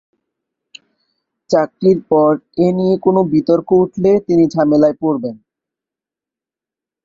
চাকরির পর এ নিয়ে কোনো বিতর্ক উঠলে তিনি ঝামেলায় পড়বেন।